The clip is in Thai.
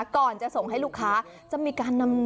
ก่อนจะส่งให้ลูกค้า